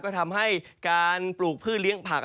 ก็ทำให้การปลูกพืชเลี้ยงผัก